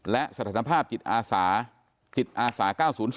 และสถานภาพจิตอาสา๙๐๔